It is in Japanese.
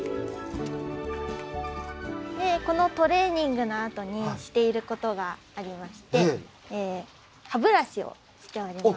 でこのトレーニングのあとにしていることがありまして歯ブラシをしております。